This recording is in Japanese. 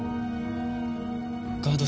ガード